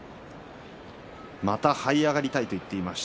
またはい上がりたいと言っていました。